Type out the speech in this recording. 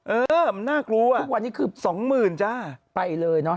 เออมันน่ากลัวสองหมื่นจ้าสเมตรไปเลยนะ